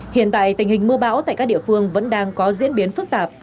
hiện tại tình hình mưa bão tại các địa phương vẫn đang có diễn biến phức tạp